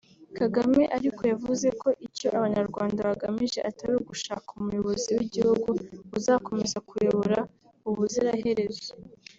Kagame ariko yavuze ko icyo abanyarwanda bagamije atari ugushaka umuyobozi w’igihugu uzakomeza kuyobora ubuzira herezo